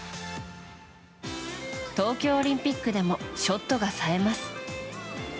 東京オリンピックでもショットがさえます。